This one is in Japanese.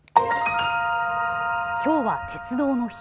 きょうは鉄道の日。